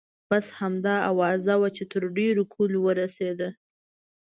بس همدا اوازه وه چې تر ډېرو کلیو ورسیده.